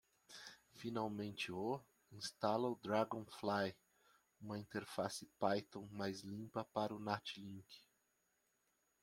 Finalmente o? instala o Dragonfly? uma interface Python mais limpa para o NatLink.